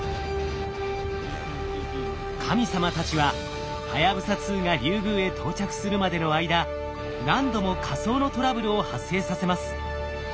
神様たちははやぶさ２がリュウグウへ到着するまでの間何度も仮想のトラブルを発生させます。